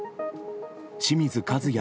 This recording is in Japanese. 清水和也